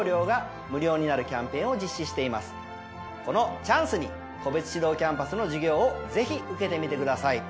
このチャンスに個別指導キャンパスの授業をぜひ受けてみてください。